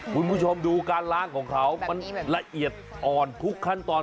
คุณผู้ชมดูการล้างของเขามันละเอียดอ่อนทุกขั้นตอน